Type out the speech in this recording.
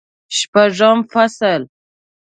شپږم فصل